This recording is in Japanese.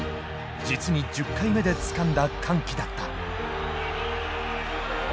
実に１０回目でつかんだ歓喜だった。